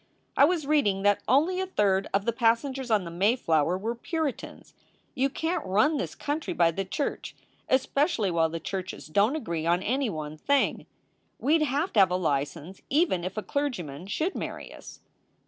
I was reading that only a third of the passengers on the Mayflower were Puritans. You can t run this country by the church, espe cially while the churches don t agree on any one thing. We d have to have a license even if a clergyman should marry us."